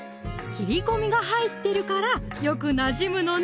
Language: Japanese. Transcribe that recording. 切り込みが入ってるからよくなじむのね！